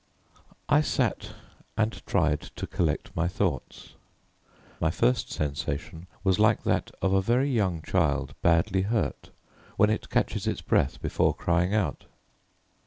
I sat and tried to collect my thoughts. My first sensation was like that of a very young child badly hurt, when it catches its breath before crying out.